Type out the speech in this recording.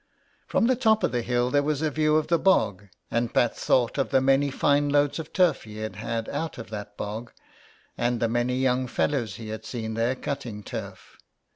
From the top of the hill there was a view of the bog, and Pat thought of the many fine loads of turf he had had out of that bog, and the many young fellows he had seen there cutting turf.